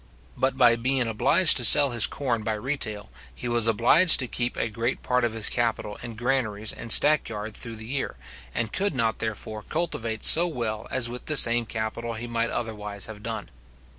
But by being obliged to sell his corn by retail, he was obliged to keep a great part of his capital in his granaries and stack yard through the year, and could not therefore cultivate so well as with the same capital he might otherwise have done.